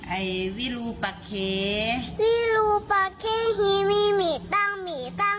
ไอ้วิรุปะเควิรุปะเคฮีมีมีตั้งมีตั้ง